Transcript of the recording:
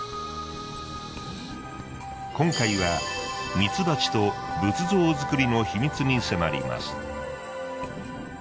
今回はミツバチと仏像作りの秘密に迫ります。